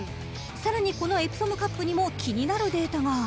［さらにこのエプソムカップにも気になるデータが］